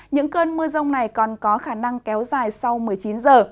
những cơn mưa rông này còn có khả năng kéo dài sau một mươi chín giờ